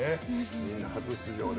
みんな初出場で。